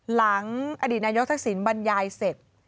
หลังอดีตนายกทักษิณบรรยายเสร็จ